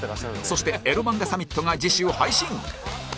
そしてエロ漫画サミットが次週配信